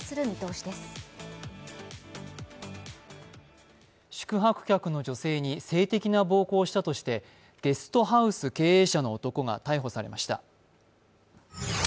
む宿泊客の女性に性的な暴行を加えたとしてゲストハウス経営者の男が逮捕されました。